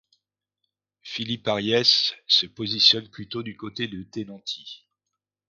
Philippe Ariès se positionne plutôt du côté de Tenenti.